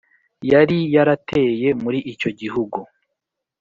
yari yarateye muri icyo gihugu;